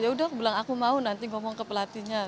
ya udah aku bilang aku mau nanti ngomong ke pelatihnya